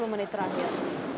tiga puluh menit terakhir